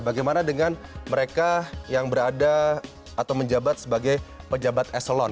bagaimana dengan mereka yang berada atau menjabat sebagai pejabat eselon